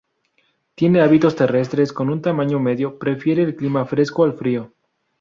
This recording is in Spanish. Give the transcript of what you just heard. Tiene hábitos terrestres con un tamaño medio, prefiere el clima fresco al frío.